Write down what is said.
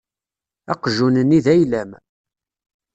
Aqjun-nni d ayla-m.